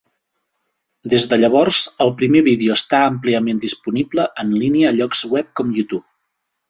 Des de llavors, el primer vídeo està àmpliament disponible en línia a llocs web com YouTube.